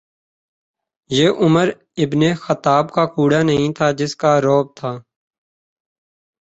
یہ عمرؓ ابن خطاب کا کوڑا نہیں تھا جس کا رعب تھا۔